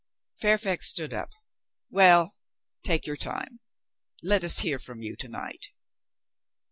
Fairfax stood up. "Well, take your time. Let us hear from you to night."